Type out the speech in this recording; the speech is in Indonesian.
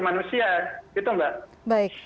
manusia gitu mbak